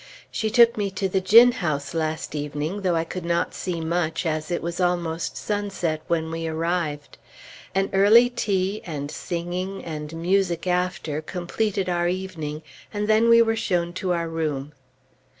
She took me to the gin house last evening, though I could not see much, as it was almost sunset when we arrived. An early tea, and singing, and music after, completed our evening, and then we were shown to our room.